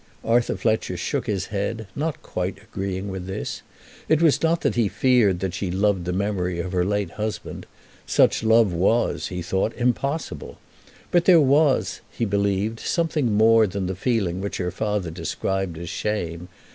Arthur Fletcher shook his head, not quite agreeing with this. It was not that he feared that she loved the memory of her late husband. Such love was, he thought, impossible. But there was, he believed, something more than the feeling which her father described as shame.